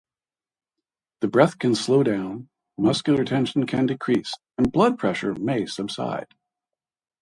The breath can slow down, muscular tension can decrease and blood pressure may subside.